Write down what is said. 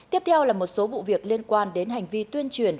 tiếp theo là một số vụ việc liên quan đến hành vi tuyên truyền